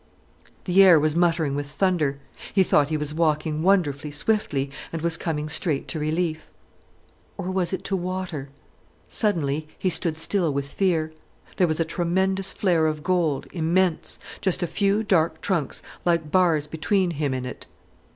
The air was muttering with thunder. He thought he was walking wonderfully swiftly and was coming straight to relief—or was it to water? Suddenly he stood still with fear. There was a tremendous flare of gold, immense—just a few dark trunks like bars between him and it.